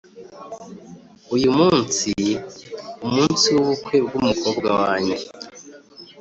uyu munsi umunsi wubukwe bwumukobwa wanjye.